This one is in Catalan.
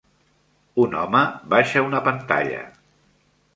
Un home baixa una pantalla.